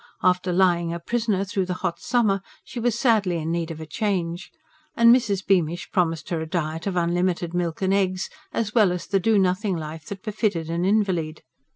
After lying a prisoner through the hot summer, she was sadly in need of a change. And Mrs. Beamish promised her a diet of unlimited milk and eggs, as well as the do nothing life that befitted an invalid.